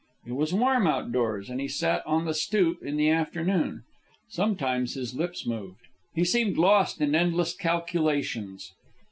It was warm outdoors, and he sat on the stoop in the afternoon. Sometimes his lips moved. He seemed lost in endless calculations.